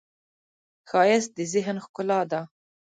ښایست د ذهن ښکلا ده